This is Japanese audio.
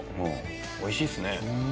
おいしいっすね。